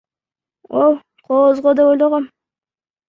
О, кооз го деп ойлогом.